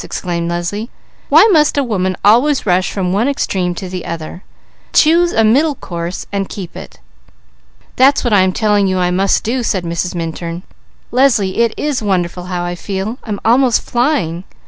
exclaimed Leslie. "Why must a woman always rush from one extreme to the other? Choose a middle course and keep it." "That's what I am telling you I must do," said Mrs. Minturn. "Leslie, it is wonderful how I feel. I'm almost flying.